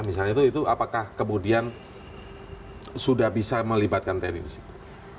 misalnya itu apakah kemudian sudah bisa melibatkan tni di situ